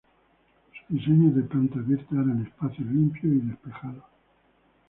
Sus diseños de planta abierta eran espacios limpios y despejados.